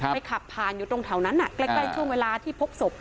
ขับผ่านอยู่ตรงแถวนั้นใกล้ช่วงเวลาที่พบศพ